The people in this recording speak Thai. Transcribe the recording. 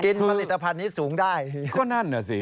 กินผลิตภัณฑ์นี้สูงได้